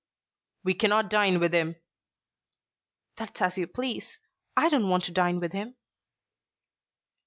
"We cannot dine with him." "That's as you please. I don't want to dine with him."